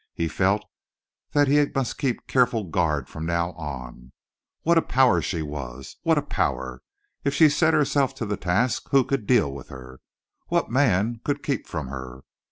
He felt that he must keep careful guard from now on. What a power she was. What a power! If she set herself to the task who could deal with her? What man could keep from her?